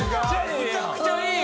むちゃくちゃいいよ！